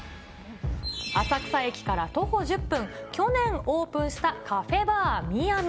浅草駅から徒歩１０分、去年オープンしたカフェバーミヤミ。